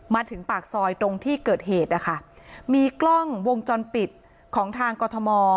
มาถึงปากซอยตรงที่เกิดเหตุนะคะมีกล้องวงจรปิดของทางกรทม